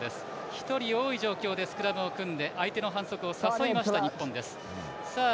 １人多い状況でスクラムを組んで、相手の反則を誘いました、日本です。